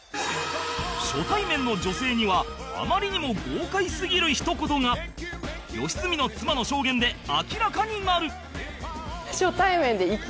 初対面の女性にはあまりにも豪快すぎる一言が良純の妻の証言で明らかになる